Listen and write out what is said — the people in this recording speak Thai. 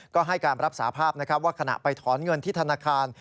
ก็ให้การรับสาภาพว่าขณะไปถอนเงินที่ธนาคาร